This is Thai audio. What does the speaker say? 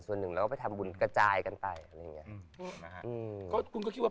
ส่วนหนึ่งเราก็ไปทำบุญกระจายกันไปอะไรอย่างเงี้ยนะฮะอืมก็คุณก็คิดว่า